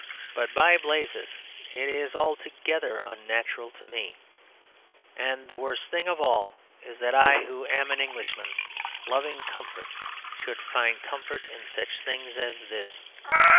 But, by blazes, it is altogether unnatural to me! And the worst thing of all is that I, who am an Englishman, loving comfort, should find comfort in such things as this.